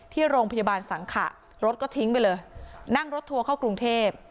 ที่โรงพยาบาลสังขะรถก็ทิ้งไปเลยนั่งรถทัวร์เข้ากรุงเทพ